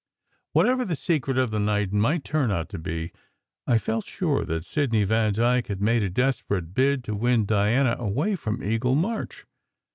Whatever the secret of the night might turn out to be, I felt sure that Sidney Vandyke had made a desperate bid to win Diana away from Eagle March.